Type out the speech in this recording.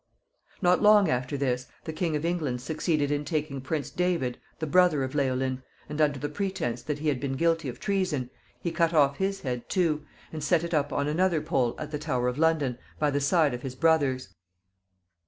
Not long after this the King of England succeeded in taking Prince David, the brother of Leolin, and, under the pretense that he had been guilty of treason, he cut off his head too, and set it up on another pole at the Tower of London, by the side of his brother's.